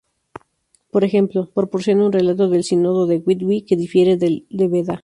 Por ejemplo, proporciona un relato del Sínodo de Whitby, que difiere del de Beda.